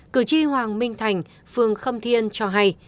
cử tri hoàng minh thành phường khâm thiên cho hay